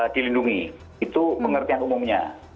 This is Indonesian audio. dilindungi itu pengertian umumnya